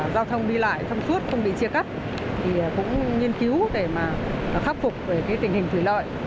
giao thông đi lại thăm suốt không bị chia cắt thì cũng nghiên cứu để khắc phục tình hình thủy lợi